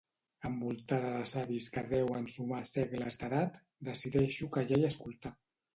Envoltada de savis que deuen sumar segles d'edat, decideixo callar i escoltar.